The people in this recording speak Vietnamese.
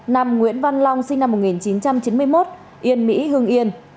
nam nguyễn văn long sinh năm một nghìn chín trăm chín mươi một yên mỹ hương yên